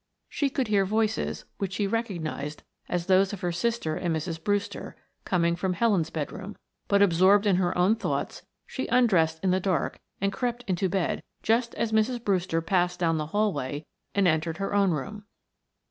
She could hear voices, which she recognized as those of her sister and Mrs. Brewster, coming from Helen's bedroom, but absorbed in her own thoughts she undressed in the dark and crept into bed just as Mrs. Brewster passed down the hallway and entered her own room.